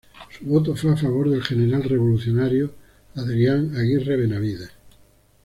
Su voto fue a favor del general revolucionario Adrián Aguirre Benavides.